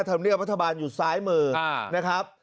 ทำเรียกว่าพระธบาลอยู่ซ้ายมือนะครับ